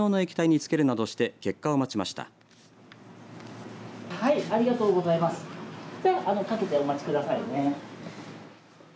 掛けてお待ちください。